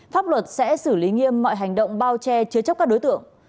pháp luật sẽ xử lý nghiêm mọi hành động bao che chứa chấp các đối tượng